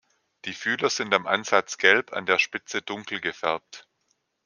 Die Fühler sind am Ansatz gelb, an der Spitze dunkel gefärbt.